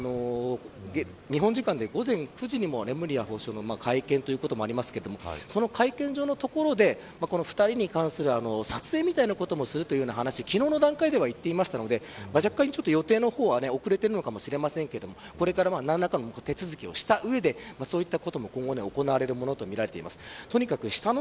日本時間で午前９時にもレムリヤ法相の会見もありますがその会見場の所でこの２人に関する撮影みたいなこともするという話が昨日は出ていたので若干、予定の方は遅れているのかもしれませんがこれから何らかの手続きをした上でそういったこともここで行われるもとみられています。